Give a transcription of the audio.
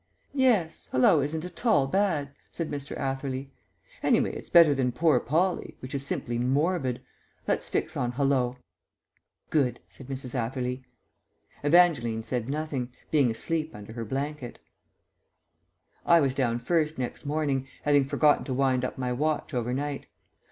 "Yes, 'hallo' isn't at all bad," said Mr. Atherley. "Anyway, it's better than 'Poor Polly,' which is simply morbid. Let's fix on 'hallo.'" "Good," said Mrs. Atherley. Evangeline said nothing, being asleep under her blanket. ..... I was down first next morning, having forgotten to wind up my watch overnight.